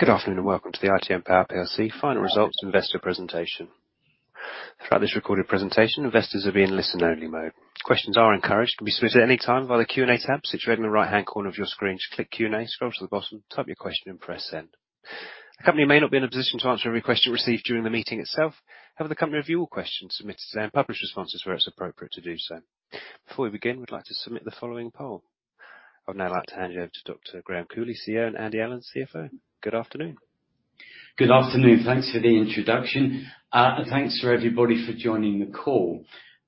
Good afternoon, and welcome to the ITM Power plc Final Results Investor Presentation. Throughout this recorded presentation, investors will be in listen-only mode. Questions are encouraged and can be submitted at any time via the Q&A tab situated in the right-hand corner of your screen. Just click Q&A, scroll to the bottom, type your question and press Send. The company may not be in a position to answer every question received during the meeting itself, however, the company will review all questions submitted today and publish responses where it's appropriate to do so. Before we begin, we'd like to submit the following poll. I would now like to hand you over to Dr. Graham Cooley, CEO, and Andy Allen, CFO. Good afternoon. Good afternoon. Thanks for the introduction. Thanks for everybody for joining the call.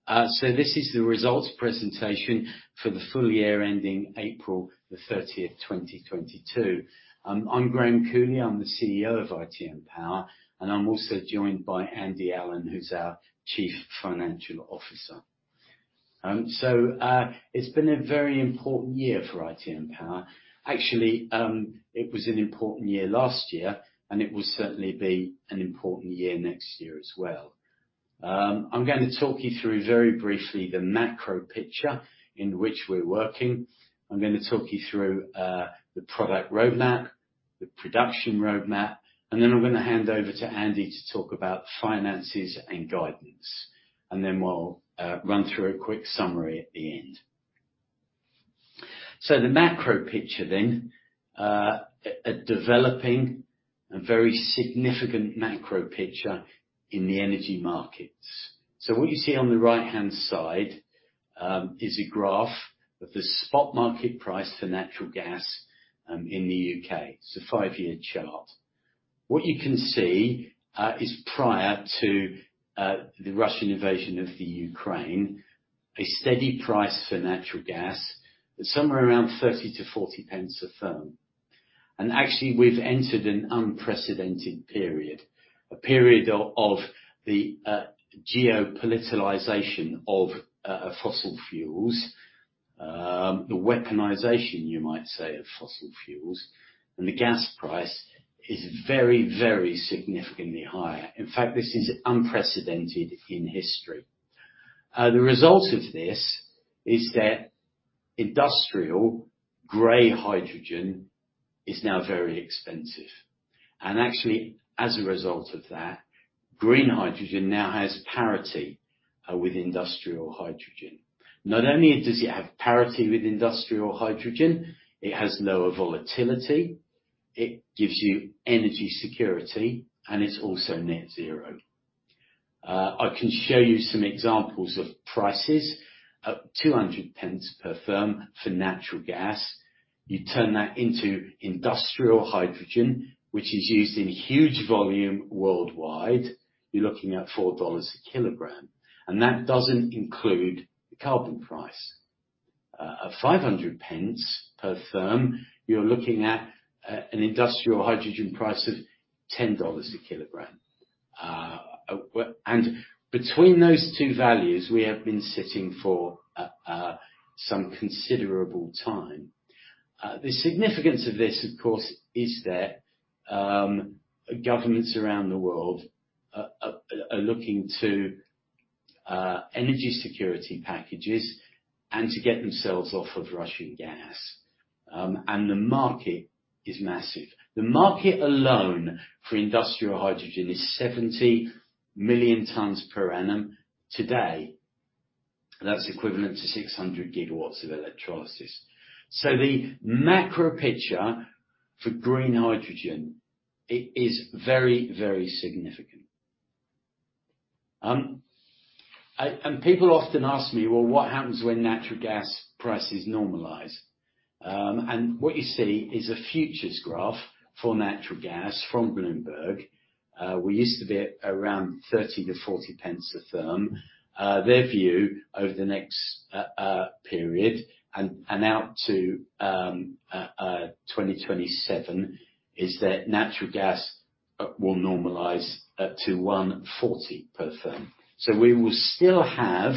This is the results presentation for the full year ending April 30, 2022. I'm Graham Cooley. I'm the CEO of ITM Power, and I'm also joined by Andy Allen, who's our chief financial officer. It's been a very important year for ITM Power. Actually, it was an important year last year, and it will certainly be an important year next year as well. I'm gonna talk you through very briefly the macro picture in which we're working. I'm gonna talk you through the product roadmap, the production roadmap, and then I'm gonna hand over to Andy to talk about finances and guidance. Then we'll run through a quick summary at the end. The macro picture then. A developing and very significant macro picture in the energy markets. What you see on the right-hand side is a graph of the spot market price for natural gas in the U.K.. It's a five-year chart. What you can see is prior to the Russian invasion of the Ukraine, a steady price for natural gas at somewhere around 30- 40 a therm. Actually, we've entered an unprecedented period, a period of the geopoliticalization of fossil fuels. The weaponization, you might say, of fossil fuels. The gas price is very, very significantly higher. In fact, this is unprecedented in history. The result of this is that industrial gray hydrogen is now very expensive. Actually, as a result of that, green hydrogen now has parity with industrial hydrogen. Not only does it have parity with industrial hydrogen, it has lower volatility, it gives you energy security, and it's also net zero. I can show you some examples of prices up 200 per therm for natural gas. You turn that into industrial hydrogen, which is used in huge volume worldwide, you're looking at $4 a kilogram, and that doesn't include the carbon price. At 500 per therm, you're looking at an industrial hydrogen price of $10 a kilogram. Between those two values, we have been sitting for some considerable time. The significance of this, of course, is that governments around the world are looking to energy security packages and to get themselves off of Russian gas. The market is massive. The market alone for industrial hydrogen is 70 million tons per annum. Today, that's equivalent to 600 GW of electrolysis. The macro picture for green hydrogen, it is very, very significant. People often ask me, "Well, what happens when natural gas prices normalize?" What you see is a futures graph for natural gas from Bloomberg. We used to be at around 30 - 40 a therm. Their view over the next period and out to 2027 is that natural gas will normalize to 1.40 per therm. We will still have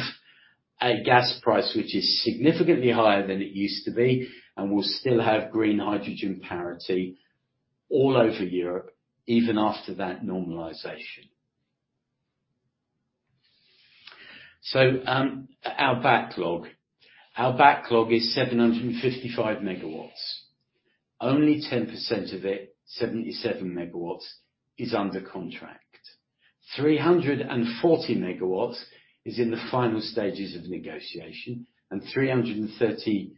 a gas price which is significantly higher than it used to be, and we'll still have green hydrogen parity all over Europe even after that normalization. Our backlog is 755 MW. Only 10% of it, 77 MW, is under contract. 340 MW is in the final stages of negotiation, and 338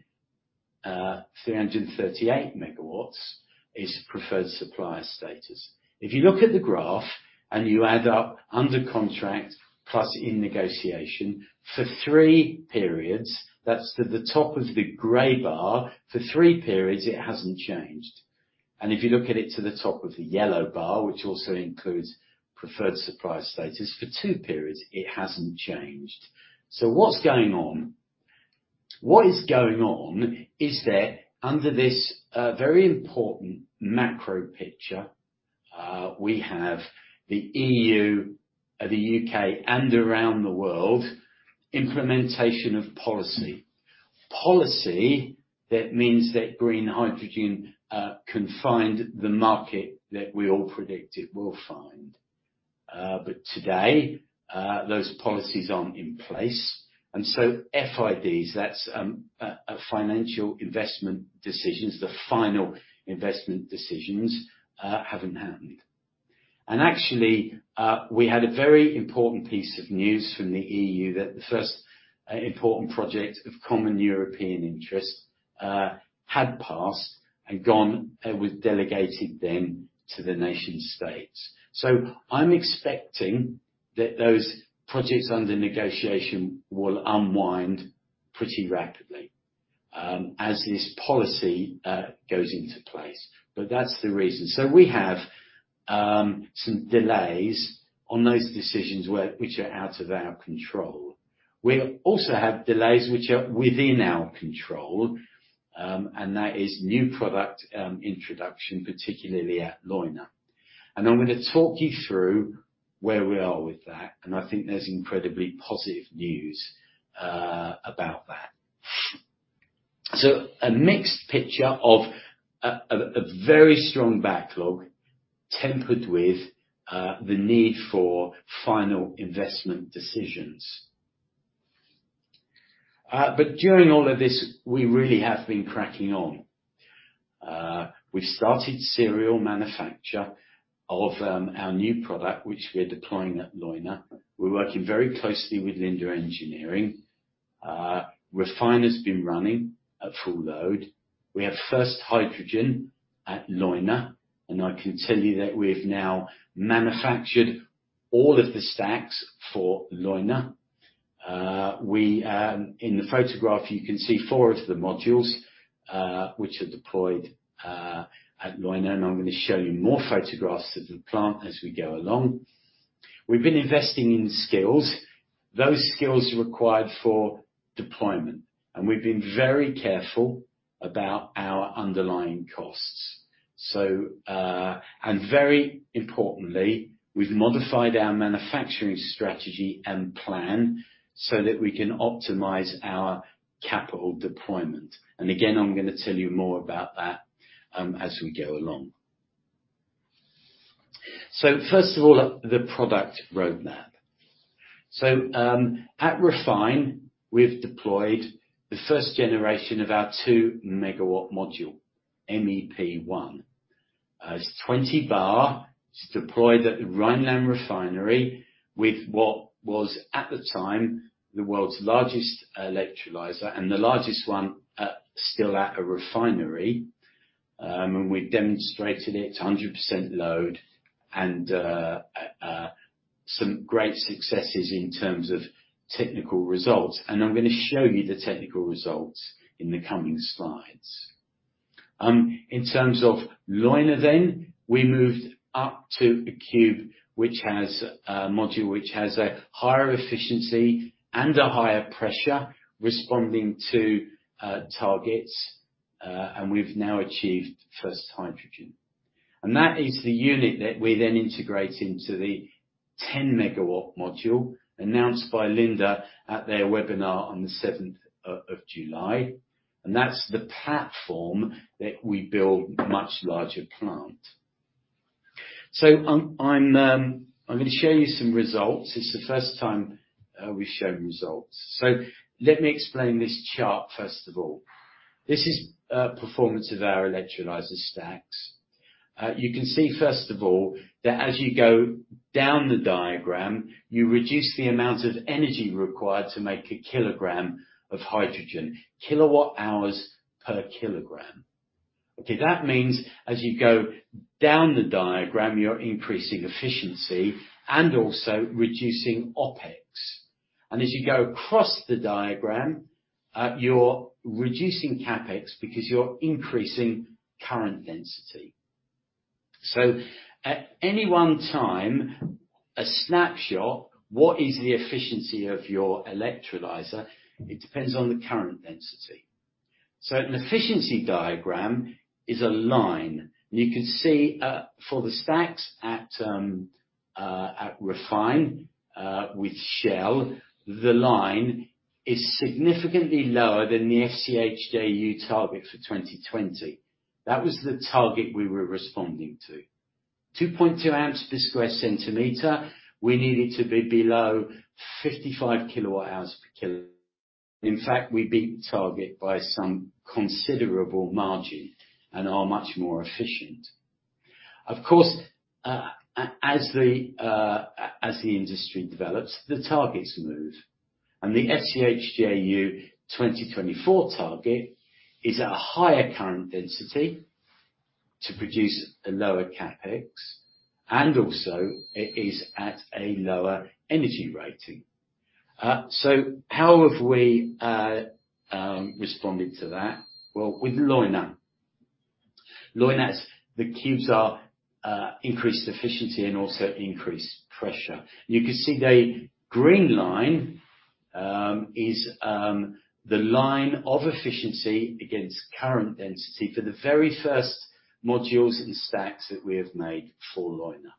MW is preferred supplier status. If you look at the graph and you add up under contract plus in negotiation for three periods, that's to the top of the gray bar, for three periods, it hasn't changed. If you look at it to the top of the yellow bar, which also includes preferred supplier status, for two periods, it hasn't changed. What's going on? What is going on is that under this very important macro picture, we have the EU, the U.K., and around the world, implementation of policy. Policy that means that green hydrogen can find the market that we all predict it will find. But today those policies aren't in place, and FIDs, that's final investment decisions, the final investment decisions haven't happened. Actually we had a very important piece of news from the EU that the first important project of common European interest had passed and gone and was delegated then to the nation states. I'm expecting that those projects under negotiation will unwind pretty rapidly as this policy goes into place. That's the reason. We have some delays on those decisions which are out of our control. We also have delays which are within our control, and that is new product introduction, particularly at Leuna. I'm gonna talk you through where we are with that, and I think there's incredibly positive news about that. A mixed picture of a very strong backlog tempered with the need for final investment decisions. During all of this, we really have been cracking on. We started serial manufacture of our new product which we're deploying at Leuna. We're working very closely with Linde Engineering. REFHYNE has been running at full load. We have first hydrogen at Leuna, and I can tell you that we've now manufactured all of the stacks for Leuna. In the photograph, you can see four of the modules which are deployed at Leuna, and I'm gonna show you more photographs of the plant as we go along. We've been investing in skills, those skills required for deployment, and we've been very careful about our underlying costs. Very importantly, we've modified our manufacturing strategy and plan so that we can optimize our capital deployment. Again, I'm gonna tell you more about that, as we go along. First of all, the product roadmap. At REFHYNE, we've deployed the first generation of our 2 MW module, MEP1. It's 20 bar. It's deployed at the Rheinland Refinery with what was, at the time, the world's largest electrolyzer and the largest one at a refinery, still at a refinery. We've demonstrated it to 100% load and some great successes in terms of technical results, and I'm gonna show you the technical results in the coming slides. In terms of Leuna then, we moved up to a Qube which has a module which has a higher efficiency and a higher pressure responding to targets, and we've now achieved first hydrogen. That is the unit that we then integrate into the 10 MW module announced by Linde at their webinar on the seventh of July, and that's the platform that we build much larger plant. I'm gonna show you some results. It's the first time we've shown results. Let me explain this chart first of all. This is performance of our electrolyzer stacks. You can see first of all that as you go down the diagram, you reduce the amount of energy required to make a kilogram of hydrogen, kilowatt hours per kilogram. Okay. That means as you go down the diagram, you're increasing efficiency and also reducing OpEx. As you go across the diagram, you're reducing CapEx because you're increasing current density. At any one time, a snapshot, what is the efficiency of your electrolyzer? It depends on the current density. An efficiency diagram is a line. You can see, for the stacks at REFHYNE with Shell, the line is significantly lower than the FCH-JU target for 2020. That was the target we were responding to. 2.2 amps per square centimeter, we needed to be below 55 kWh per kilo. In fact, we beat the target by some considerable margin and are much more efficient. Of course, as the industry develops, the targets move, and the FCH-JU 2024 target is at a higher current density to produce a lower CapEx, and also it is at a lower energy rating. How have we responded to that? Well, with Leuna. Leuna is. The key is increased efficiency and also increased pressure. You can see the green line is the line of efficiency against current density for the very first modules and stacks that we have made for Leuna.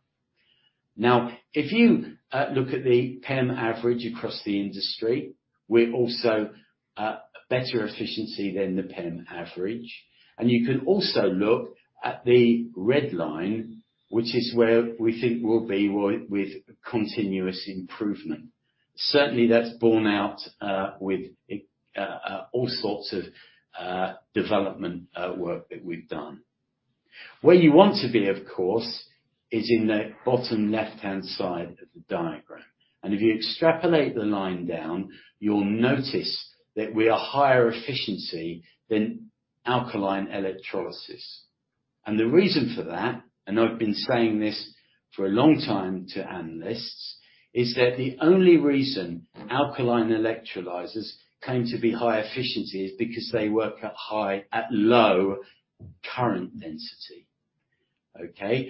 Now, if you look at the PEM average across the industry. We're also at better efficiency than the PEM average. You can also look at the red line, which is where we think we'll be with continuous improvement. Certainly, that's borne out with all sorts of development work that we've done. Where you want to be, of course, is in the bottom left-hand side of the diagram. If you extrapolate the line down, you'll notice that we are higher efficiency than alkaline electrolysis. The reason for that, and I've been saying this for a long time to analysts, is that the only reason alkaline electrolyzers came to be high efficiency is because they work at low current density, okay?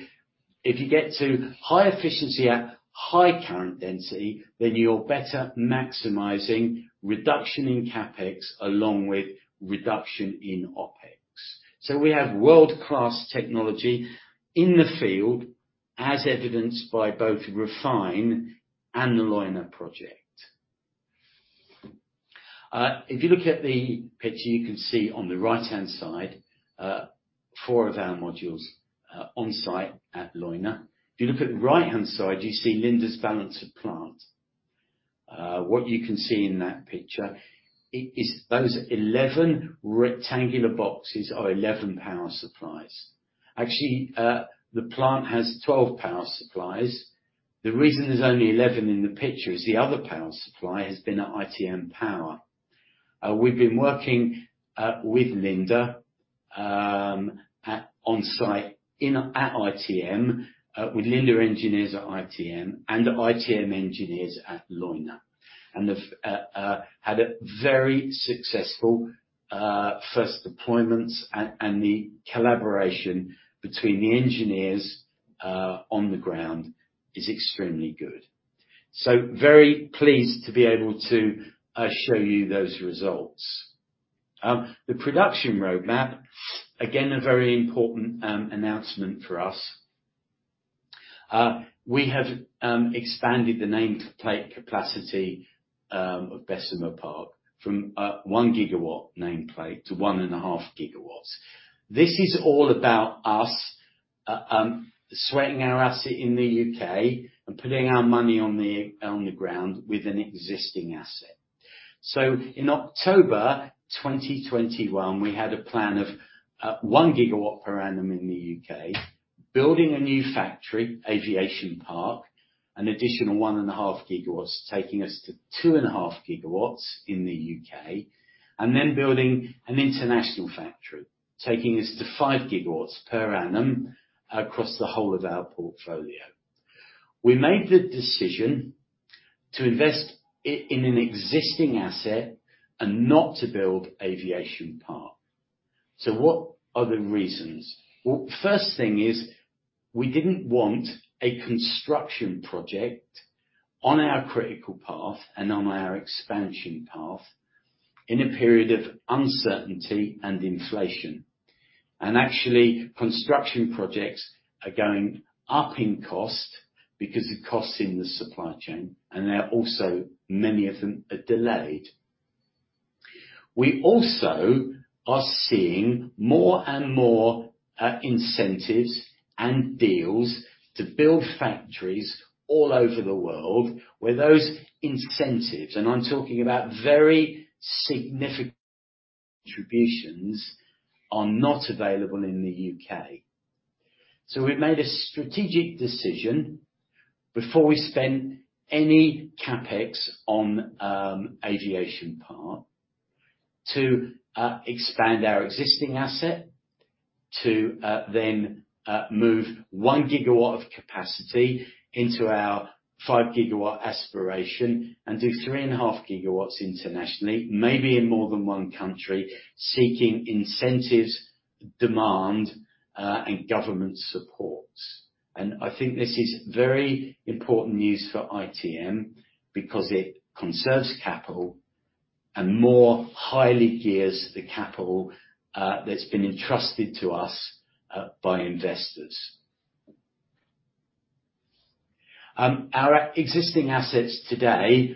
If you get to high efficiency at high current density, then you're better maximizing reduction in CapEx along with reduction in OpEx. We have world-class technology in the field as evidenced by both REFHYNE and the Leuna project. If you look at the picture, you can see on the right-hand side, four of our modules on site at Leuna. If you look at the right-hand side, you see Linde's balance of plant. What you can see in that picture is those 11 rectangular boxes are 11 power supplies. Actually, the plant has 12 power supplies. The reason there's only 11 in the picture is the other power supply has been at ITM Power. We've been working with Linde at ITM, with Linde engineers at ITM and ITM engineers at Leuna, and have had a very successful first deployments and the collaboration between the engineers on the ground is extremely good. Very pleased to be able to show you those results. The production roadmap, again, a very important announcement for us. We have expanded the nameplate capacity of Bessemer Park from 1 GW nameplate to 1.5 GW. This is all about us, sweating our asset in the U.K. and putting our money on the ground with an existing asset. In October 2021, we had a plan of 1 GW per annum in the U.K., building a new factory, Aviation Park, an additional 1.5 GW, taking us to 2.5 GW GW in the U.K., and then building an international factory, taking us to 5 GW per annum across the whole of our portfolio. We made the decision to invest in an existing asset and not to build Aviation Park. What are the reasons? Well, first thing is we didn't want a construction project on our critical path and on our expansion path in a period of uncertainty and inflation. Actually, construction projects are going up in cost because of costs in the supply chain, and they are also, many of them are delayed. We also are seeing more and more, incentives and deals to build factories all over the world, where those incentives, and I'm talking about very significant contributions, are not available in the U.K.. We've made a strategic decision before we spend any CapEx on Bessemer Park to expand our existing asset, to then move 1 GW of capacity into our 5 GW aspiration and do 3.5 GW internationally, maybe in more than one country, seeking incentives, demand, and government supports. I think this is very important news for ITM because it conserves capital and more highly gears the capital that's been entrusted to us by investors. Our existing assets today,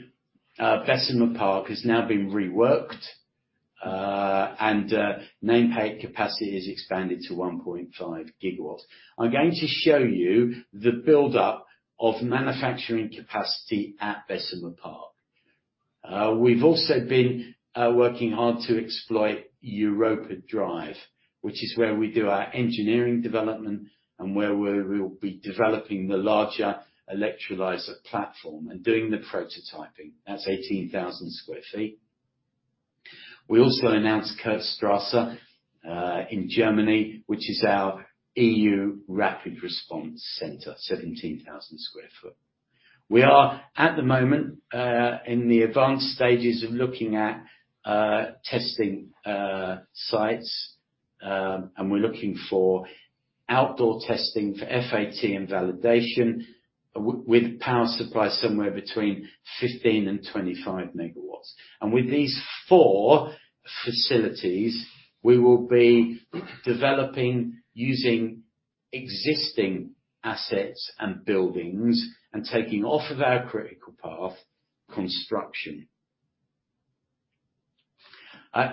Bessemer Park has now been reworked, and nameplate capacity has expanded to 1.5 GW. I'm going to show you the buildup of manufacturing capacity at Bessemer Park. We've also been working hard to exploit Europa Drive, which is where we do our engineering development and where we'll be developing the larger electrolyzer platform and doing the prototyping. That's 18,000 sq ft. We also announced Kurt-Schumacher-Strasse in Germany, which is our EU rapid response center, 17,000 sq ft We are at the moment in the advanced stages of looking at testing sites, and we're looking for outdoor testing for FAT and validation with power supply somewhere between 15 and 25 MW. With these four facilities, we will be developing using existing assets and buildings and taking off of our critical path construction.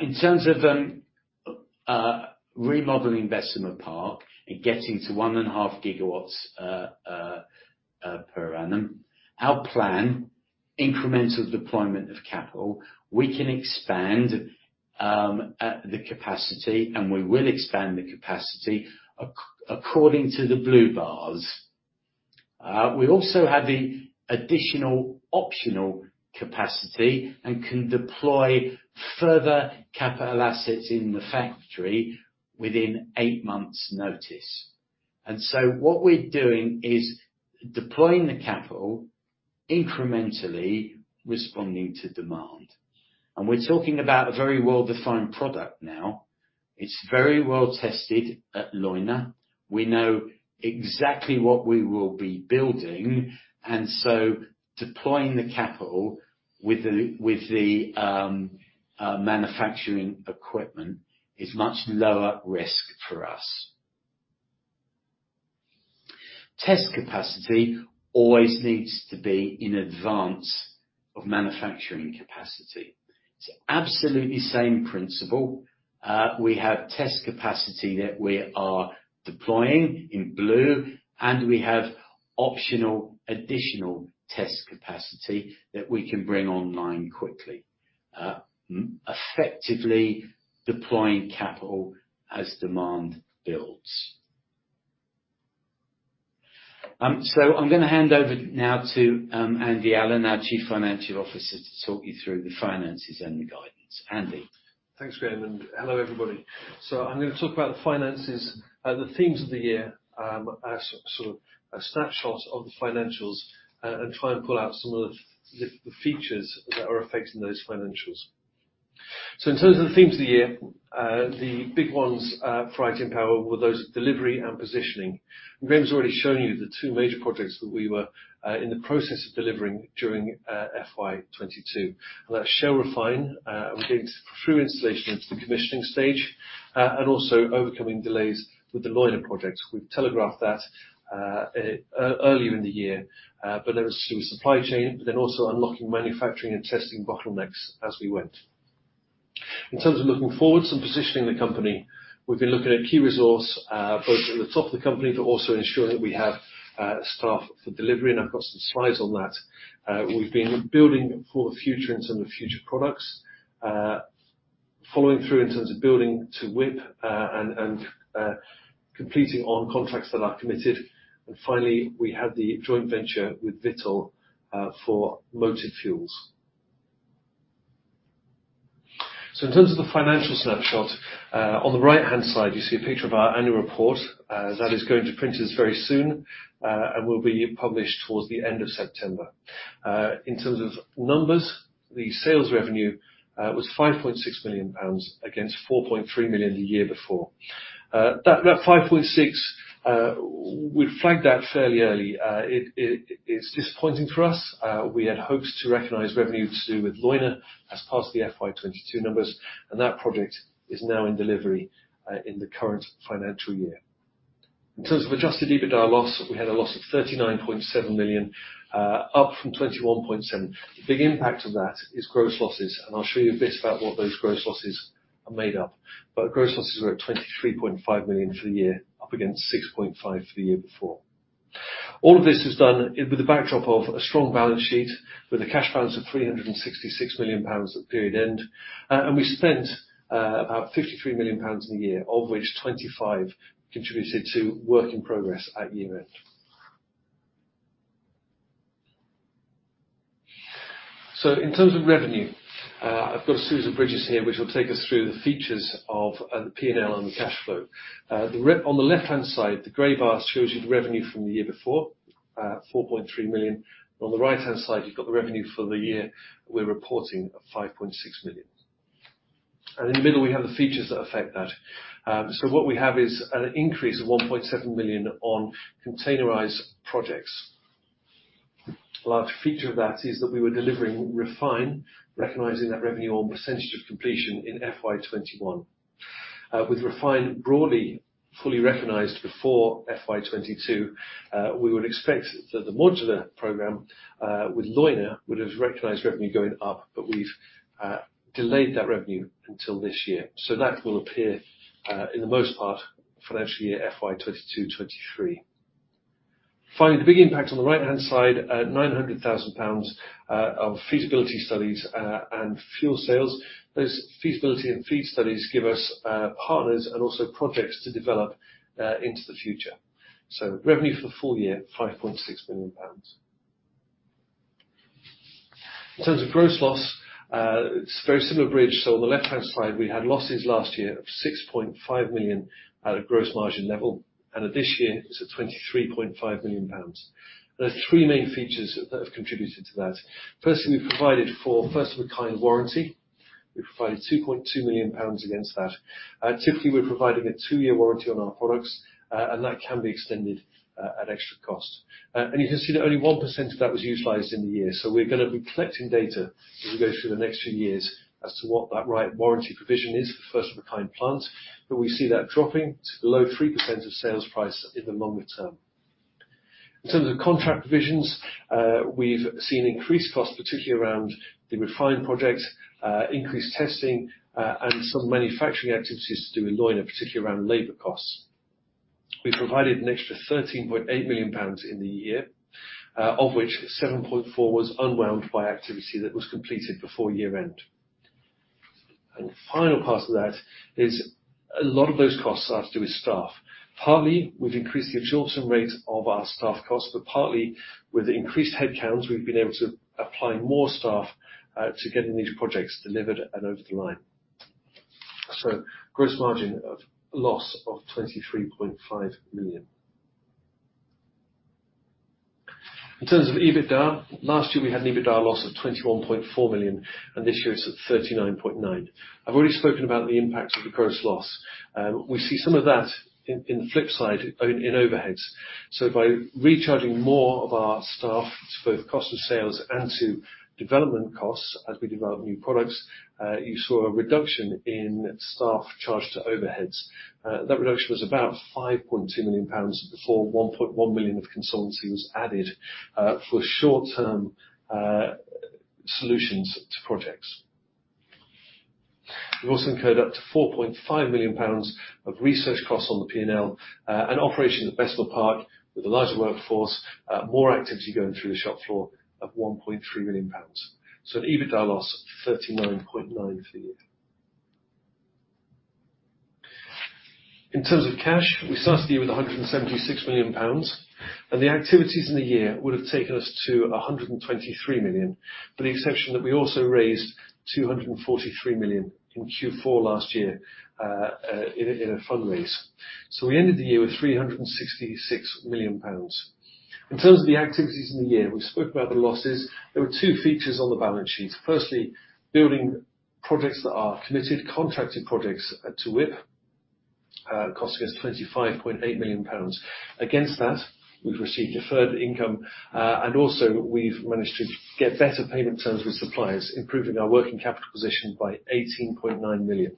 In terms of remodeling Bessemer Park and getting to 1.5 GW per annum, our plan, incremental deployment of capital, we can expand the capacity, and we will expand the capacity according to the blue bars. We also have the additional optional capacity and can deploy further capital assets in the factory within eight months' notice. What we're doing is deploying the capital incrementally responding to demand. We're talking about a very well-defined product now. It's very well tested at Leuna. We know exactly what we will be building, and so deploying the capital with the manufacturing equipment is much lower risk for us. Test capacity always needs to be in advance of manufacturing capacity. It's absolutely the same principle. We have test capacity that we are deploying in blue, and we have optional additional test capacity that we can bring online quickly, effectively deploying capital as demand builds. I'm gonna hand over now to Andy Allen, our Chief Financial Officer, to talk you through the finances and the guidance. Andy. Thanks, Graham, and hello, everybody. I'm gonna talk about the finances, the themes of the year, as sort of a snapshot of the financials and try and pull out some of the the features that are affecting those financials. In terms of the themes of the year, the big ones, for ITM Power were those delivery and positioning. Graham's already shown you the two major projects that we were, in the process of delivering during, FY 2022. That's REFHYNE, and we're going through installation into the commissioning stage, and also overcoming delays with the Leuna project. We've telegraphed that, earlier in the year, but there was some supply chain, but then also unlocking manufacturing and testing bottlenecks as we went. In terms of looking forward, positioning the company, we've been looking at key resource both at the top of the company, but also ensuring that we have staff for delivery, and I've got some slides on that. We've been building for the future in terms of future products, following through in terms of building to WIP, and completing on contracts that are committed. Finally, we had the joint venture with Vitol for Motive Fuels. In terms of the financial snapshot, on the right-hand side you see a picture of our annual report that is going to print very soon, and will be published towards the end of September. In terms of numbers, the sales revenue was 5.6 million pounds against 4.3 million the year before. That 5.6, we flagged that fairly early. It's disappointing for us. We had hoped to recognize revenue to do with Leuna as part of the FY 2022 numbers, and that project is now in delivery, in the current financial year. In terms of adjusted EBITDA loss, we had a loss of 39.7 million, up from 21.7. The big impact of that is gross losses, and I'll show you a bit about what those gross losses are made of. Gross losses were at 23.5 million for the year, up against 6.5 for the year before. All of this is done with the backdrop of a strong balance sheet, with a cash balance of 366 million pounds at period end. We spent about 53 million pounds in the year, of which 25 contributed to work in progress at year-end. In terms of revenue, I've got a series of bridges here which will take us through the features of the P&L and the cash flow. On the left-hand side, the gray bar shows you the revenue from the year before, 4.3 million. On the right-hand side, you've got the revenue for the year we're reporting of 5.6 million. In the middle, we have the features that affect that. What we have is an increase of 1.7 million on containerized projects. A large feature of that is that we were delivering REFHYNE, recognizing that revenue on percentage of completion in FY 2021. With REFHYNE broadly fully recognized before FY 2022, we would expect that the modular program with Leuna would have recognized revenue going up, but we've delayed that revenue until this year. That will appear, in the most part, financial year FY 2022/2023. Finally, the big impact on the right-hand side, 900,000 pounds of feasibility studies and fuel sales. Those feasibility and FEED studies give us partners and also projects to develop into the future. Revenue for the full year, 5.6 million pounds. In terms of gross loss, it's a very similar bridge. On the left-hand side, we had losses last year of 6.5 million at a gross margin level, and this year it's at 23.5 million pounds. There are three main features that have contributed to that. Firstly, we provided for first-of-a-kind warranty. We provided 2.2 million pounds against that. Typically, we're providing a two-year warranty on our products, and that can be extended at extra cost. And you can see that only 1% of that was utilized in the year. We're gonna be collecting data as we go through the next few years as to what that right warranty provision is for first-of-a-kind plant. We see that dropping to below 3% of sales price in the longer-term. In terms of contract provisions, we've seen increased costs, particularly around the REFHYNE projects, increased testing, and some manufacturing activities to do with Leuna, particularly around labor costs. We provided an extra 13.8 million pounds in the year, of which 7.4 million was unwound by activity that was completed before year-end. The final part of that is a lot of those costs are to do with staff. Partly, we've increased the absorption rate of our staff costs, but partly with increased headcounts, we've been able to apply more staff to getting these projects delivered and over the line. Gross margin of loss of 23.5 million. In terms of EBITDA, last year we had an EBITDA loss of 21.4 million, and this year it's at 39.9 million. I've already spoken about the impacts of the gross loss. We see some of that in the flip side, in overheads. By recharging more of our staff to both cost of sales and to development costs as we develop new products, you saw a reduction in staff charged to overheads. That reduction was about 5.2 million pounds before 1.1 million of consultancies added for short-term solutions to projects. We've also incurred up to 4.5 million pounds of research costs on the P&L and operation at Bessemer Park with a larger workforce, more activity going through the shop floor of 1.3 million pounds. An EBITDA loss of 39.9 for the year. In terms of cash, we started the year with 176 million pounds, and the activities in the year would have taken us to 123 million, with the exception that we also raised 243 million in Q4 last year in a fundraise. We ended the year with 366 million pounds. In terms of the activities in the year, we've spoken about the losses. There were two features on the balance sheet. Firstly, building projects that are committed, contracted projects to WIP, cost against 25.8 million pounds. Against that, we've received deferred income, and also we've managed to get better payment terms with suppliers, improving our working capital position by 18.9 million.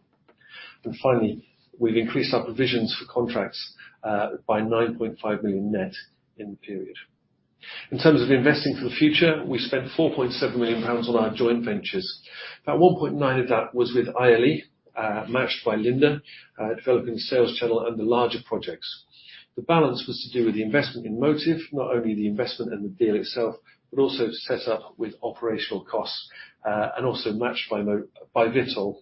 Finally, we've increased our provisions for contracts, by 9.5 million net in the period. In terms of investing for the future, we spent 4.7 million pounds on our joint ventures. About 1.9 of that was with ILE, matched by Linde, developing the sales channel and the larger projects. The balance was to do with the investment in Motive, not only the investment and the deal itself, but also to set up with operational costs, and also matched by Vitol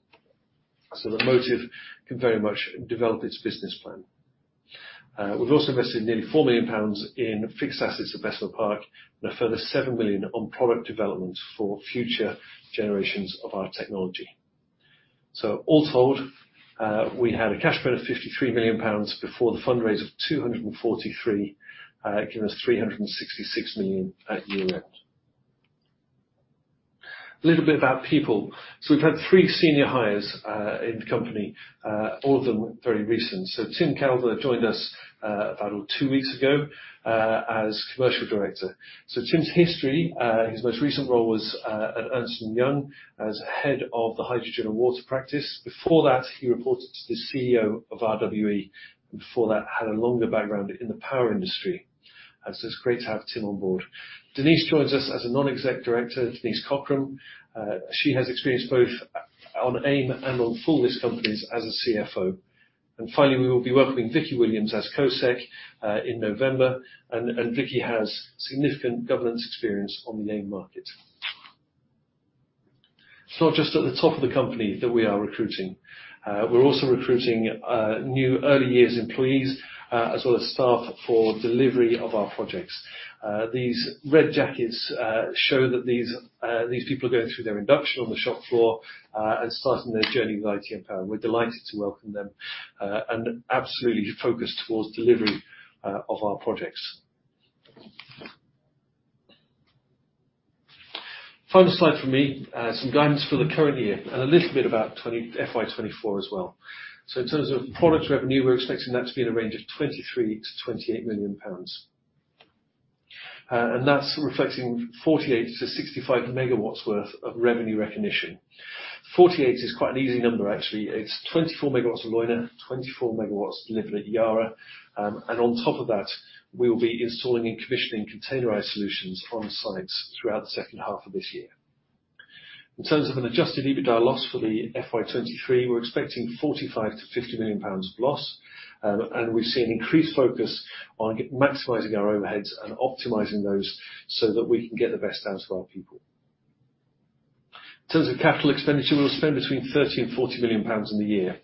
so that Motive can very much develop its business plan. We've also invested nearly 4 million pounds in fixed assets at Bessemer Park, and a further 7 million on product development for future generations of our technology. All told, we had a cash burn of 53 million pounds before the fundraise of 243 million, giving us 366 million at year-end. A little bit about people. We've had three senior hires in the company, all of them very recent. Tim Calver joined us about two weeks ago as Commercial Director. Tim's history, his most recent role was at Ernst & Young as head of the hydrogen and water practice. Before that, he reported to the CEO of RWE, and before that, had a longer background in the power industry. It's great to have Tim on board. Denise joins us as a non-exec director, Denise Cockrem. She has experience both on AIM and on full list companies as a CFO. Finally, we will be welcoming Vicky Williams as co-sec in November. Vicky has significant governance experience on the main market. It's not just at the top of the company that we are recruiting. We're also recruiting new early years employees as well as staff for delivery of our projects. These red jackets show that these people are going through their induction on the shop floor and starting their journey with ITM Power. We're delighted to welcome them and absolutely focused towards delivery of our projects. Final slide from me, some guidance for the current year and a little bit about FY 2024 as well. In terms of product revenue, we're expecting that to be in a range of 23 million-28 million pounds. That's reflecting 48-65 MW worth of revenue recognition. 48 is quite an easy number actually. It's 24 MW for Leuna, 24 MW delivered at Yara. On top of that, we will be installing and commissioning containerized solutions on sites throughout the second half of this year. In terms of an adjusted EBITDA loss for the FY 2023, we're expecting 45 million-50 million pounds of loss, and we see an increased focus on maximizing our overheads and optimizing those so that we can get the best out of our people. In terms of capital expenditure, we'll spend between 30 million and 40 million pounds in the year.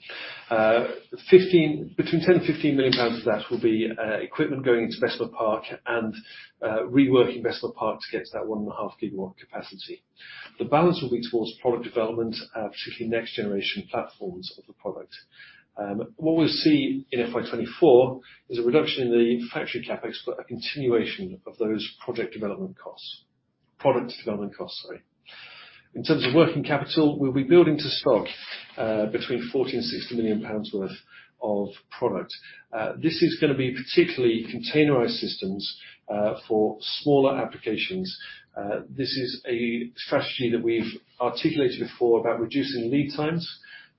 Between 10 million and 15 million pounds of that will be equipment going into Bessemer Park and reworking Bessemer Park to get to that 1.5 GW capacity. The balance will be towards product development, particularly next generation platforms of the product. What we'll see in FY 2024 is a reduction in the factory CapEx, but a continuation of those project development costs. Product development costs, sorry. In terms of working capital, we'll be building to stock, between 40 million and 60 million pounds worth of product. This is gonna be particularly containerized systems, for smaller applications. This is a strategy that we've articulated before about reducing lead times,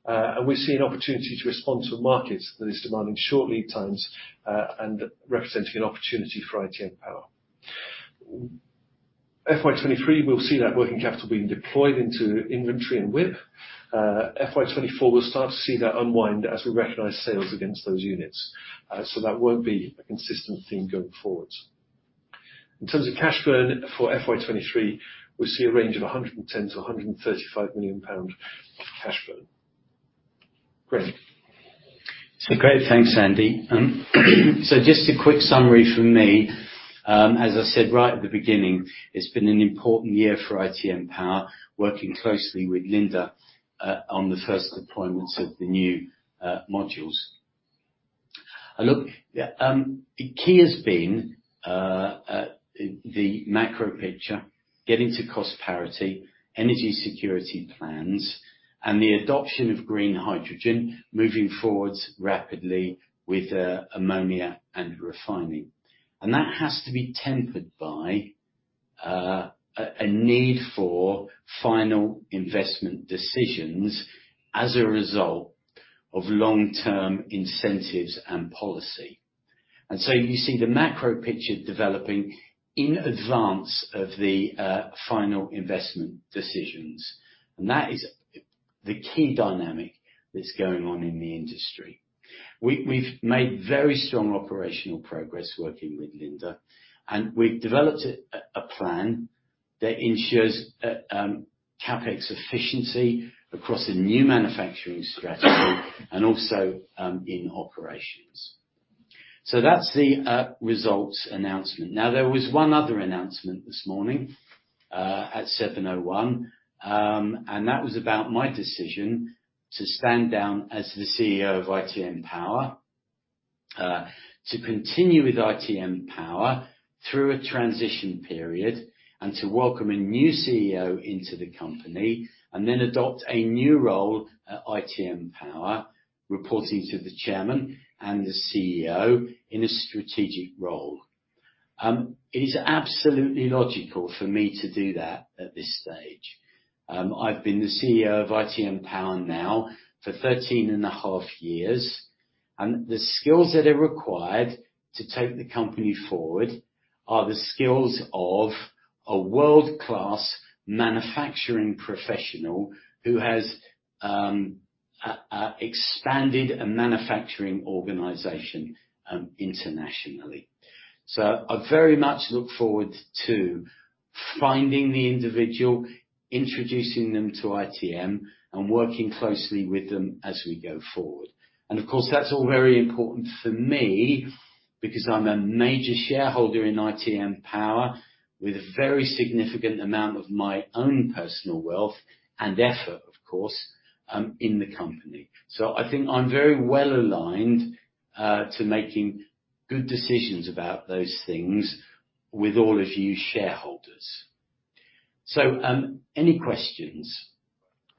and we see an opportunity to respond to a market that is demanding short lead times, and representing an opportunity for ITM Power. FY 2023, we'll see that working capital being deployed into inventory and WIP. FY 2024, we'll start to see that unwind as we recognize sales against those units. So that won't be a consistent theme going forward. In terms of cash burn for FY 2023, we see a range of 110 million-135 million pound of cash burn. Graham? Great. Thanks, Andy. Just a quick summary from me. As I said right at the beginning, it's been an important year for ITM Power, working closely with Linde on the first deployments of the new modules. Look, yeah, the key has been the macro picture, getting to cost parity, energy security plans, and the adoption of green hydrogen moving forward rapidly with ammonia and refining. That has to be tempered by a need for final investment decisions as a result of long-term incentives and policy. You see the macro picture developing in advance of the final investment decisions. That is the key dynamic that's going on in the industry. We've made very strong operational progress working with Linde, and we've developed a plan that ensures CapEx efficiency across a new manufacturing strategy and also in operations. That's the results announcement. Now, there was one other announcement this morning at 7:01 A.M. That was about my decision to stand down as the CEO of ITM Power to continue with ITM Power through a transition period, and to welcome a new CEO into the company, and then adopt a new role at ITM Power, reporting to the chairman and the CEO in a strategic role. It is absolutely logical for me to do that at this stage. I've been the CEO of ITM Power now for 13.5 years, and the skills that are required to take the company forward are the skills of a world-class manufacturing professional who has expanded a manufacturing organization internationally. I very much look forward to finding the individual, introducing them to ITM, and working closely with them as we go forward. Of course, that's all very important for me because I'm a major shareholder in ITM Power with a very significant amount of my own personal wealth and effort, of course, in the company. I think I'm very well-aligned to making good decisions about those things with all of you shareholders. Any questions?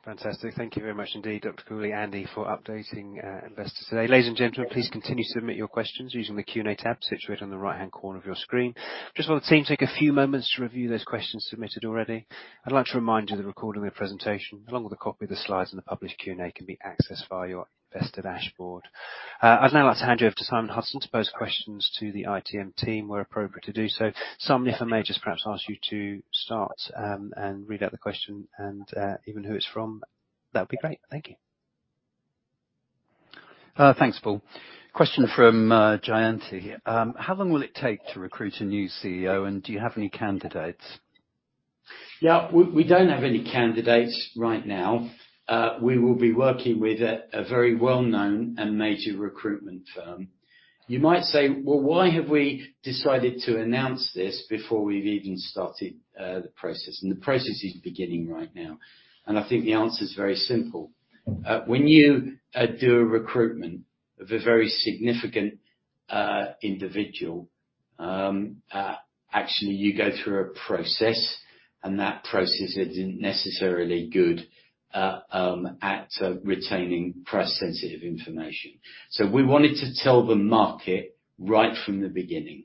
Fantastic. Thank you very much indeed, Dr. Cooley, Andy, for updating investors today. Ladies and gentlemen, please continue to submit your questions using the Q&A tab situated on the right-hand corner of your screen. Just while the team take a few moments to review those questions submitted already, I'd like to remind you the recording of the presentation along with a copy of the slides and the published Q&A can be accessed via your investor dashboard. I'd now like to hand you over to Simon Hudson to pose questions to the ITM team where appropriate to do so. Simon, if I may just perhaps ask you to start, and read out the question and, even who it's from, that'd be great. Thank you. Thanks, Paul. Question from Jayanti. How long will it take to recruit a new CEO, and do you have any candidates? Yeah. We don't have any candidates right now. We will be working with a very well-known and major recruitment firm. You might say, "Well, why have we decided to announce this before we've even started the process?" The process is beginning right now. I think the answer is very simple. When you do a recruitment of a very significant individual, actually you go through a process, and that process isn't necessarily good at retaining press-sensitive information. We wanted to tell the market right from the beginning.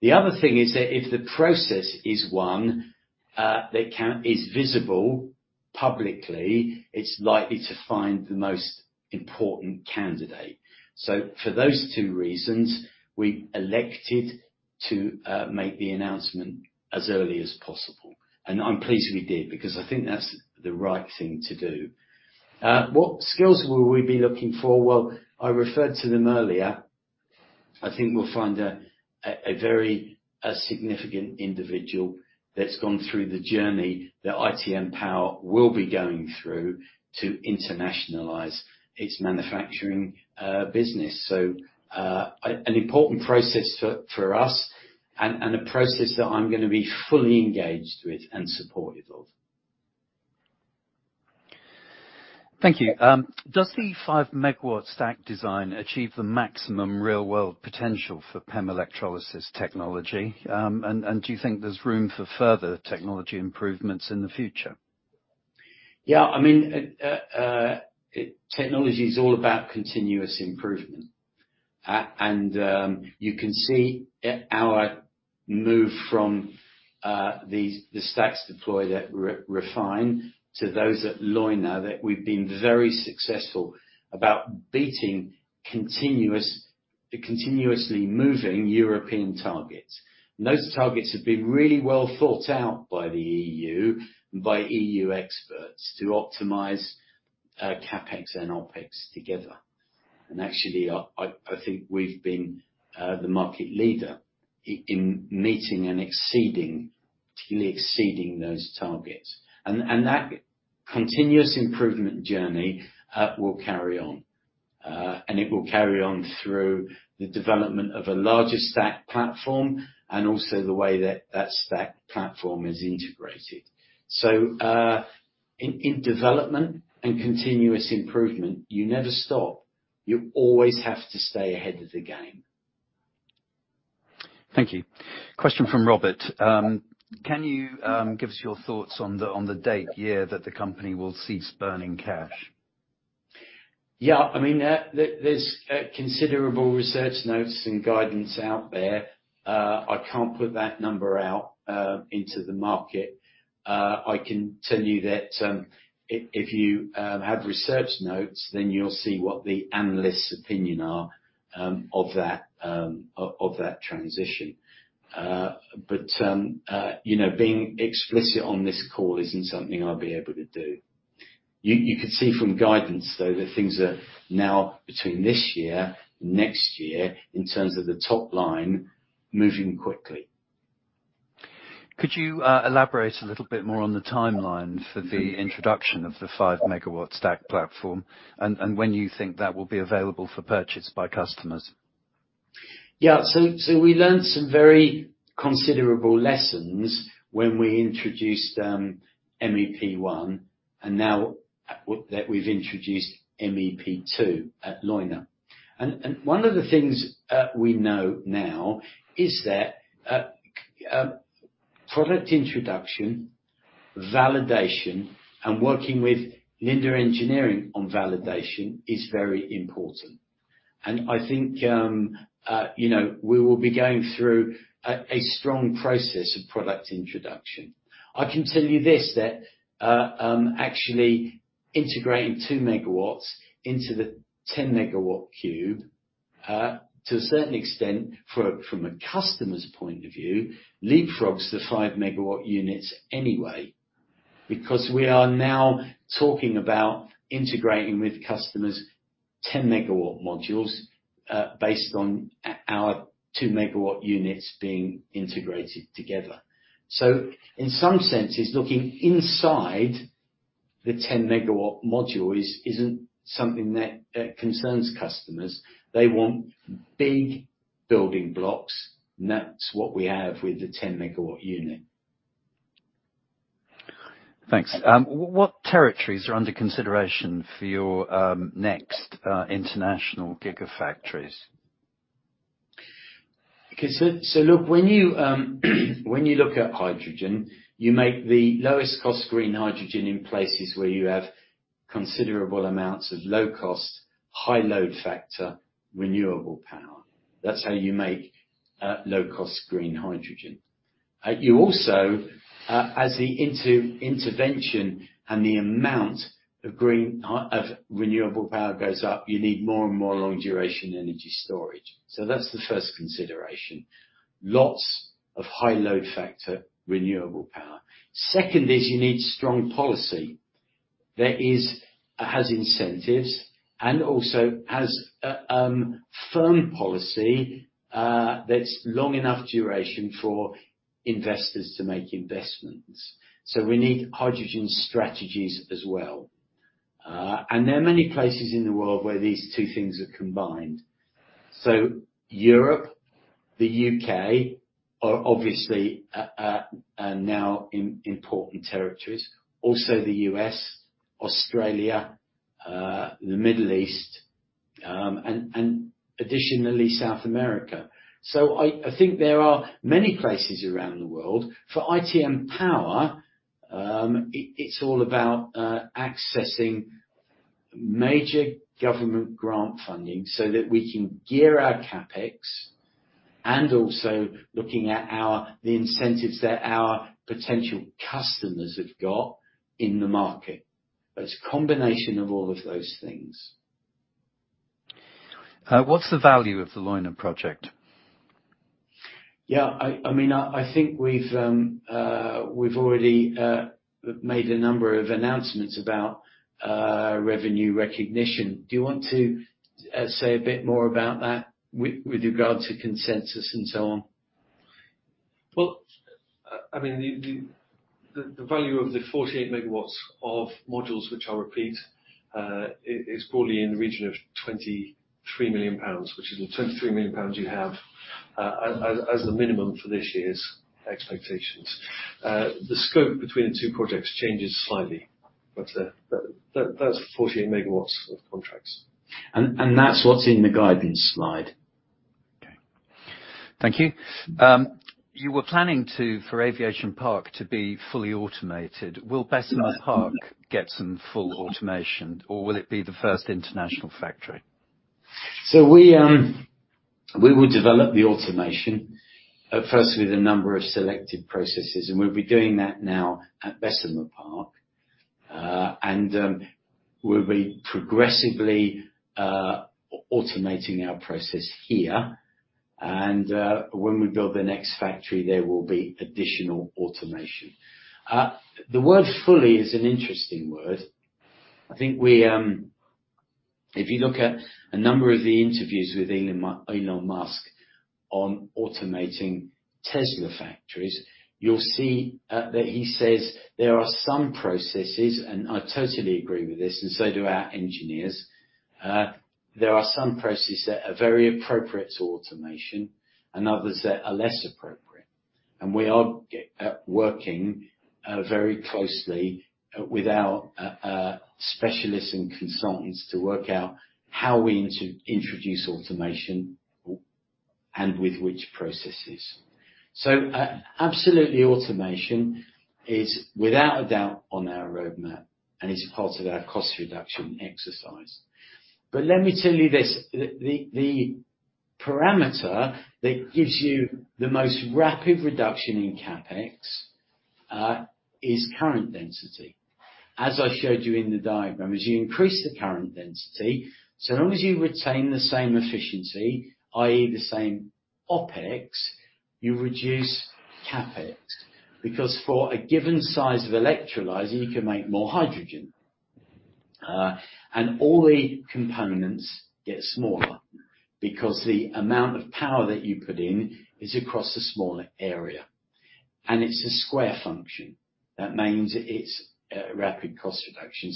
The other thing is that if the process is one that is visible publicly, it's likely to find the most important candidate. For those two reasons, we elected to make the announcement as early as possible. I'm pleased we did because I think that's the right thing to do. What skills will we be looking for? Well, I referred to them earlier. I think we'll find a very significant individual that's gone through the journey that ITM Power will be going through to internationalize its manufacturing business. An important process for us and a process that I'm gonna be fully engaged with and supportive of. Thank you. Does the 5-MW stack design achieve the maximum real-world potential for PEM electrolysis technology? Do you think there's room for further technology improvements in the future? Yeah, I mean, technology is all about continuous improvement. You can see at our move from the stacks deployed at REFHYNE to those at Leuna that we've been very successful about beating the continuously moving European targets. Those targets have been really well thought out by the EU and by EU experts to optimize CapEx and OpEx together. Actually, I think we've been the market leader in meeting and exceeding, particularly exceeding those targets. That continuous improvement journey will carry on. It will carry on through the development of a larger stack platform and also the way that that stack platform is integrated. In development and continuous improvement, you never stop. You always have to stay ahead of the game. Thank you. Question from Robert. Can you give us your thoughts on the date, year that the company will cease burning cash? I mean, there's considerable research notes and guidance out there. I can't put that number out into the market. I can tell you that if you have research notes, then you'll see what the analysts' opinion are of that transition. You know, being explicit on this call isn't something I'll be able to do. You could see from guidance though that things are now between this year and next year in terms of the top line moving quickly. Could you elaborate a little bit more on the timeline for the introduction of the 5 MW stack platform and when you think that will be available for purchase by customers? Yeah. We learned some very considerable lessons when we introduced MEP 1, and now that we've introduced MEP 2.0 at Leuna. One of the things we know now is that product introduction, validation, and working with Linde Engineering on validation is very important. I think you know, we will be going through a strong process of product introduction. I can tell you this, that actually integrating 2 MW into the 10 MW cube, to a certain extent from a customer's point of view, leapfrogs the 5 MW units anyway, because we are now talking about integrating with customers 10 MW modules, based on our 2 MW units being integrated together. In some senses, looking inside the 10 MW module isn't something that concerns customers. They want big building blocks, and that's what we have with the 10 MW unit. Thanks. What territories are under consideration for your next international gigafactories? Look, when you look at hydrogen, you make the lowest cost green hydrogen in places where you have considerable amounts of low cost, high load factor, renewable power. That's how you make low cost green hydrogen. You also, as the integration and the amount of renewable power goes up, you need more and more long duration energy storage. That's the first consideration, lots of high load factor, renewable power. Second is you need strong policy that has incentives and also has firm policy that's long enough duration for investors to make investments. We need hydrogen strategies as well. There are many places in the world where these two things are combined. Europe, the U.K. are obviously now important territories. The US, Australia, the Middle East, and additionally South America. I think there are many places around the world. For ITM Power, it's all about accessing major government grant funding so that we can gear our CapEx, and also looking at the incentives that our potential customers have got in the market. It's a combination of all of those things. What's the value of the Leuna project? Yeah, I mean, I think we've already made a number of announcements about revenue recognition. Do you want to say a bit more about that with regard to consensus and so on? Well, I mean, the value of the 48 MW of modules, which I'll repeat, is broadly in the region of 23 million pounds, which is the 23 million pounds you have as the minimum for this year's expectations. The scope between the two projects changes slightly, but that's 48 MW of contracts. That's what's in the guidance slide? Thank you. You were planning to, for Aviation Park to be fully automated. Will Bessemer Park get some full automation, or will it be the first international factory? We will develop the automation firstly with a number of selected processes, and we'll be doing that now at Bessemer Park. We'll be progressively automating our process here. When we build the next factory, there will be additional automation. The word fully is an interesting word. I think, if you look at a number of the interviews with Elon Musk on automating Tesla factories, you'll see that he says there are some processes, and I totally agree with this and so do our engineers, there are some processes that are very appropriate to automation and others that are less appropriate. We are working very closely with our specialists and consultants to work out how we introduce automation and with which processes. Absolutely automation is without a doubt on our roadmap, and it's part of our cost reduction exercise. Let me tell you this. The parameter that gives you the most rapid reduction in CapEx is current density. As I showed you in the diagram, as you increase the current density, so long as you retain the same efficiency, i.e. the same OpEx, you reduce CapEx. Because for a given size of electrolyzer, you can make more hydrogen. All the components get smaller because the amount of power that you put in is across a smaller area. It's a square function. That means it's a rapid cost reduction.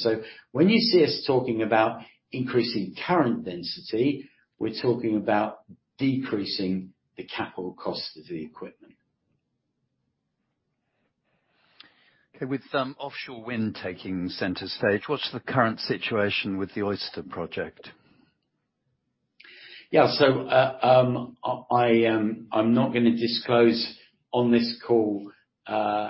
When you see us talking about increasing current density, we're talking about decreasing the capital cost of the equipment. Okay. With offshore wind taking center stage, what's the current situation with the OYSTER project? I'm not gonna disclose on this call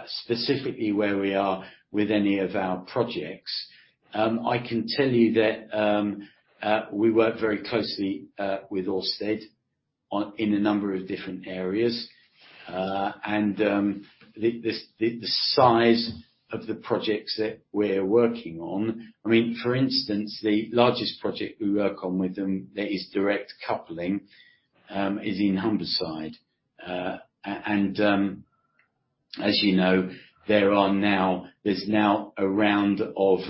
specifically where we are with any of our projects. I can tell you that we work very closely with Ørsted on in a number of different areas. The size of the projects that we're working on, I mean, for instance, the largest project we work on with them that is direct coupling, is in Humberside. As you know, there's now a round of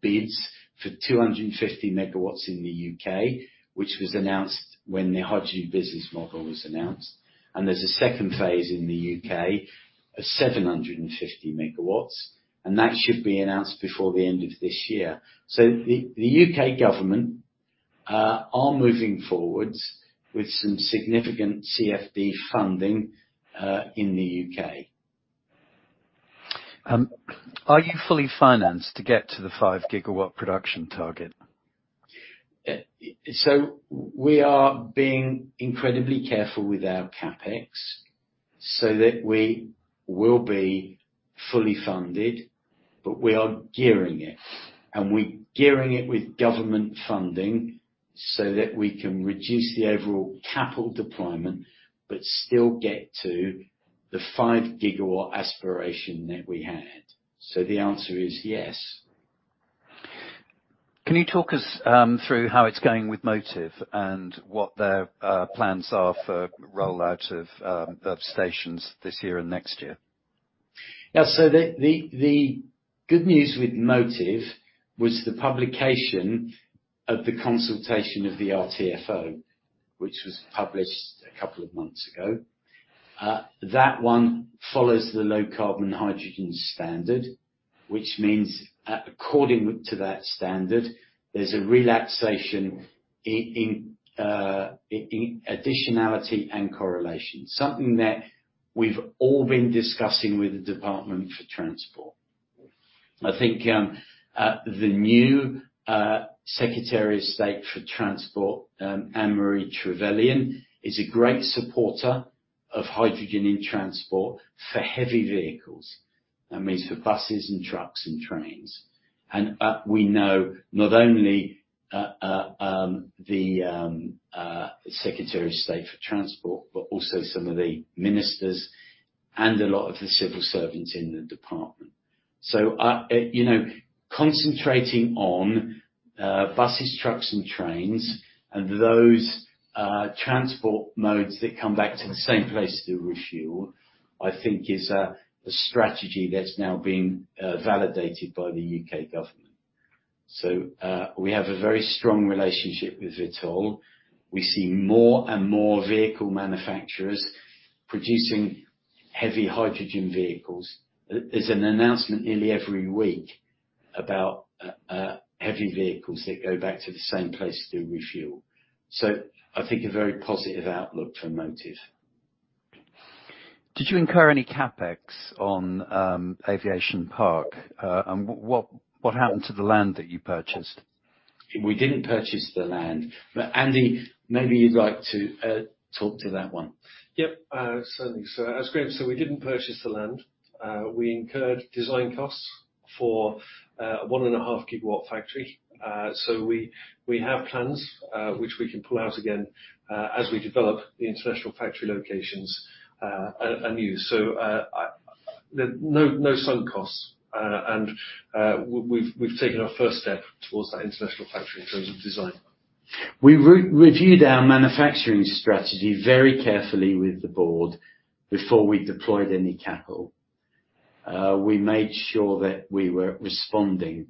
bids for 250 MW in the U.K., which was announced when the Hydrogen Business Model was announced. There's a second phase in the U.K. of 750 MW, and that should be announced before the end of this year. The U.K. Government are moving forward with some significant CFD funding in the U.K.. Are you fully financed to get to the 5 GW production target? We are being incredibly careful with our CapEx so that we will be fully funded, but we are gearing it with government funding so that we can reduce the overall capital deployment but still get to the 5 GW aspiration that we had. The answer is yes. Can you talk us through how it's going with Motive and what their plans are for rollout of stations this year and next year? Yeah. So the good news with Motive was the publication of the consultation of the RTFO, which was published a couple of months ago. That one follows the Low Carbon Hydrogen Standard, which means according to that standard, there's a relaxation in additionality and correlation, something that we've all been discussing with the Department for Transport. I think the new Secretary of State for Transport, Anne-Marie Trevelyan, is a great supporter of hydrogen in transport for heavy vehicles. That means for buses and trucks and trains. We know not only the Secretary of State for Transport, but also some of the ministers and a lot of the civil servants in the department. You know, concentrating on buses, trucks and trains and those transport modes that come back to the same place to refuel, I think is a strategy that's now been validated by the U.K. government. We have a very strong relationship with Vitol. We see more and more vehicle manufacturers producing heavy hydrogen vehicles. There's an announcement nearly every week about heavy vehicles that go back to the same place to refuel. I think a very positive outlook for Motive. Did you incur any CapEx on Aviation Park? What happened to the land that you purchased? We didn't purchase the land. Andy, maybe you'd like to talk to that one. Yep. Certainly so. As Graham said, we didn't purchase the land. We incurred design costs for 1.5 GW factory. We have plans which we can pull out again as we develop the international factory locations and use. There are no sunk costs. We've taken our first step towards that international factory in terms of design. We re-reviewed our manufacturing strategy very carefully with the board before we deployed any capital. We made sure that we were responding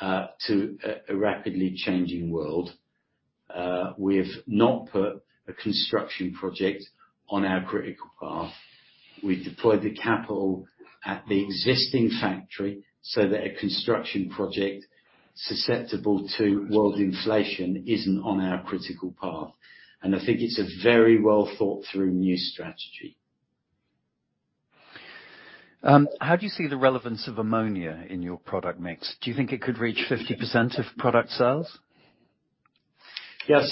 to a rapidly changing world. We've not put a construction project on our critical path. We deployed the capital at the existing factory so that a construction project susceptible to world inflation isn't on our critical path. I think it's a very well thought through new strategy. How do you see the relevance of ammonia in your product mix? Do you think it could reach 50% of product sales? Yeah.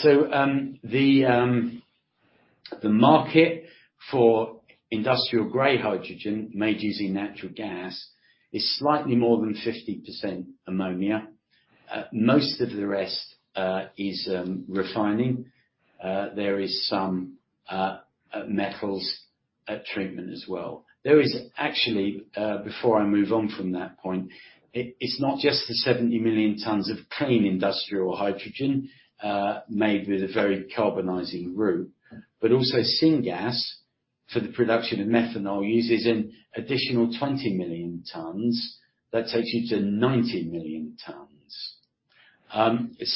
The market for industrial gray hydrogen made using natural gas is slightly more than 50% ammonia. Most of the rest is refining. There is some metals heat treatment as well. There is actually, before I move on from that point, it's not just the 70 million tons of clean industrial hydrogen made with a very decarbonizing route, but also syngas for the production of methanol uses an additional 20 million tons that takes you to 90 million tons.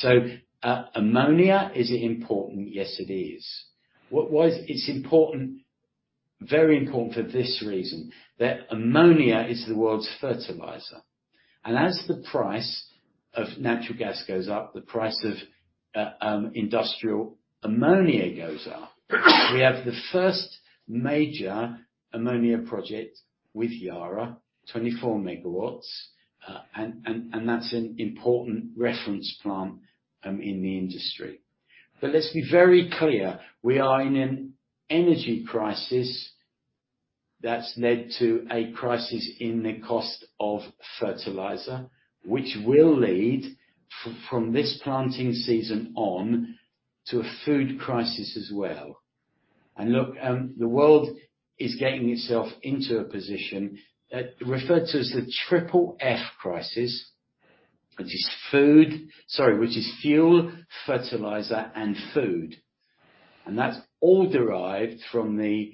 Ammonia, is it important? Yes, it is. Why it's important? Very important for this reason, that ammonia is the world's fertilizer. As the price of natural gas goes up, the price of industrial ammonia goes up. We have the first major ammonia project with Yara, 24 MW. That's an important reference plant in the industry. Let's be very clear. We are in an energy crisis that's led to a crisis in the cost of fertilizer, which will lead from this planting season on to a food crisis as well. Look, the world is getting itself into a position referred to as the triple F crisis, which is fuel, fertilizer, and food. That's all derived from the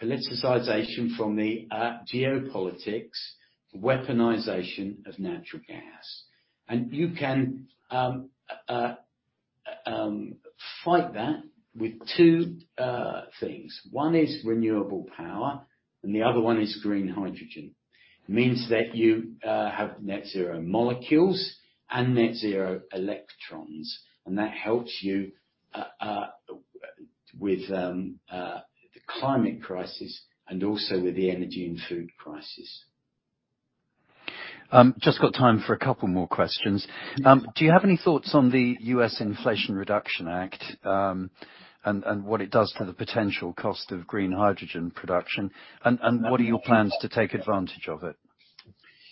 politicization, from the geopolitics, weaponization of natural gas. You can fight that with two things. One is renewable power, and the other one is green hydrogen. It means that you have net zero molecules and net zero electrons, and that helps you with the climate crisis and also with the energy and food crisis. Just got time for a couple more questions. Do you have any thoughts on the US Inflation Reduction Act, and what it does to the potential cost of green hydrogen production? What are your plans to take advantage of it?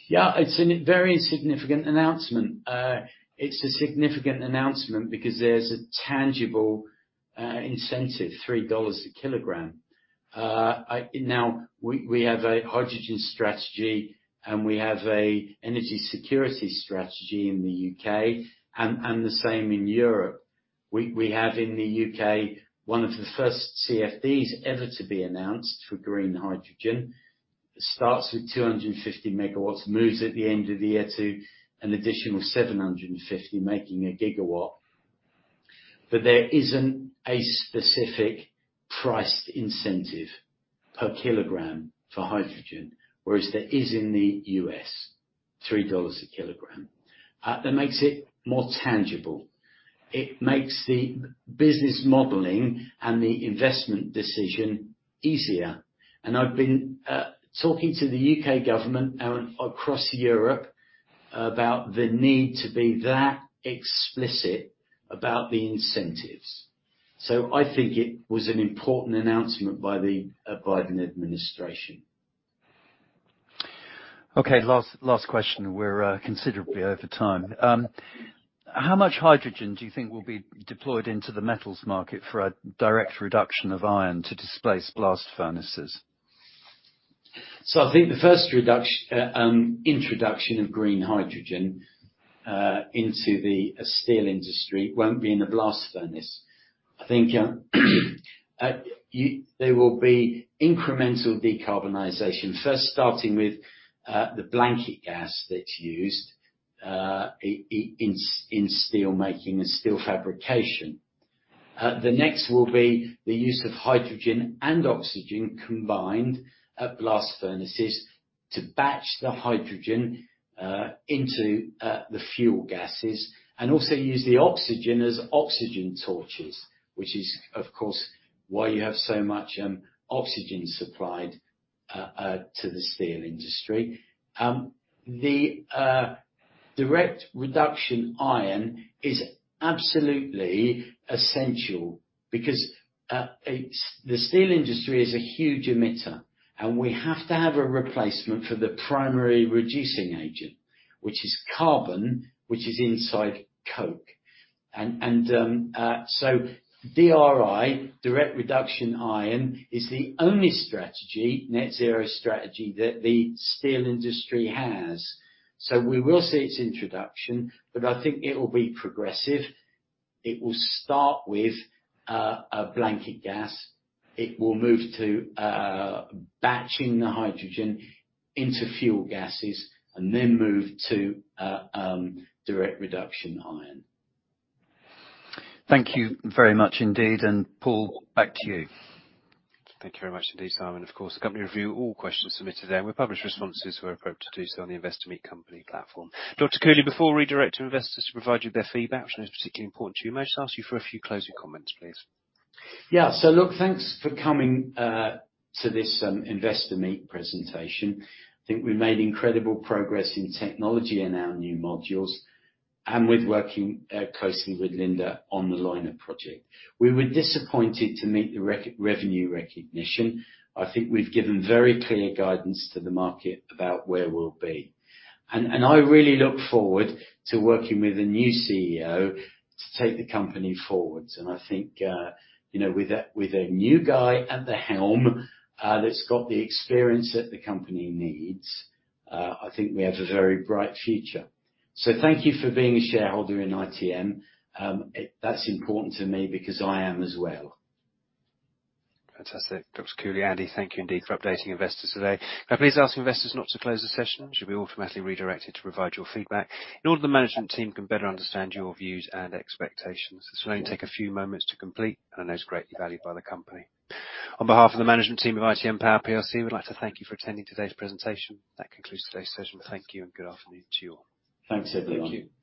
Yeah, it's a very significant announcement. It's a significant announcement because there's a tangible incentive, $3 a kilogram. Now we have a hydrogen strategy and we have an energy security strategy in the U.K. and the same in Europe. We have in the U.K., one of the first CFDs ever to be announced for green hydrogen. It starts with 250 MW, moves at the end of the year to an additional 750 making a GW. But there isn't a specific price incentive per kilogram for hydrogen, whereas there is in the U.S., $3 a kilogram. That makes it more tangible. It makes the business modeling and the investment decision easier. I've been talking to the U.K. government and across Europe about the need to be that explicit about the incentives. I think it was an important announcement by the Biden administration. Okay, last question. We're considerably over time. How much hydrogen do you think will be deployed into the metals market for a direct reduction of iron to displace blast furnaces? I think the first introduction of green hydrogen into the steel industry won't be in a blast furnace. I think there will be incremental decarbonization, first starting with the blanket gas that's used in steel making and steel fabrication. The next will be the use of hydrogen and oxygen combined at blast furnaces to batch the hydrogen into the fuel gases and also use the oxygen as oxygen torches, which is, of course, why you have so much oxygen supplied to the steel industry. Direct reduction iron is absolutely essential because the steel industry is a huge emitter, and we have to have a replacement for the primary reducing agent, which is carbon, which is inside coke. DRI, direct reduction iron, is the only strategy, net zero strategy that the steel industry has. We will see its introduction, but I think it'll be progressive. It will start with a blanket gas. It will move to batching the hydrogen into fuel gases and then move to direct reduction iron. Thank you very much indeed. Paul, back to you. Thank you very much indeed, Simon. Of course, the company reviews all questions submitted, and we'll publish responses where appropriate to do so on the Investor Meet Company platform. Dr. Cooley, before we direct investors to provide you their feedback, which is particularly important to you, may I just ask you for a few closing comments, please? Yeah. Look, thanks for coming to this Investor Meet presentation. I think we made incredible progress in technology in our new modules, and with working closely with Linde on the Linde project. We were disappointed not to meet the revenue recognition. I think we've given very clear guidance to the market about where we'll be. I really look forward to working with a new CEO to take the company forward. I think, you know, with a new guy at the helm, that's got the experience that the company needs, I think we have a very bright future. Thank you for being a shareholder in ITM. That's important to me because I am as well. Fantastic. Dr. Cooley, Andy, thank you indeed for updating investors today. Can I please ask investors not to close the session? You should be automatically redirected to provide your feedback in order that the management team can better understand your views and expectations. This will only take a few moments to complete and I know it's greatly valued by the company. On behalf of the management team of ITM Power PLC, we'd like to thank you for attending today's presentation. That concludes today's session. Thank you and good afternoon to you all. Thanks, everyone. Thank you.